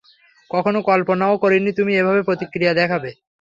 কখনো কল্পনাও করিনি তুমি এভাবে প্রতিক্রিয়া দেখাবে।